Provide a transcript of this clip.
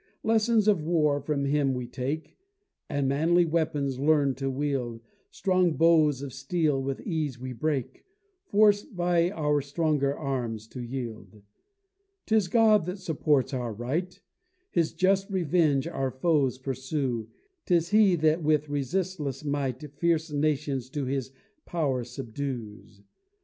Lessons of war from Him we take, And manly weapons learn to wield; Strong bows of steel with ease we break, Forced by our stronger arms to yield. 'Tis God that still supports our right, His just revenge our foes pursues; 'Tis He that with resistless might, Fierce nations to His power subdues.